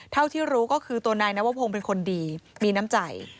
เท่าที่รู้ก็คือตัวนายนวพงศ์เป็นคนดีมีน้ำใจ